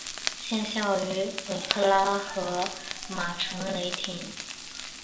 现效力于俄克拉何马城雷霆。